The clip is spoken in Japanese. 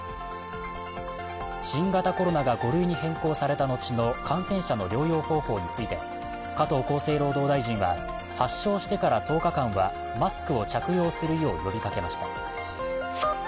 新型コロナが５類に変更された後の感染者の療養方法について加藤厚生労働大臣は発症してから１０日間はマスクを着用するよう呼びかけました。